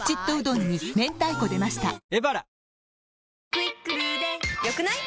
「『クイックル』で良くない？」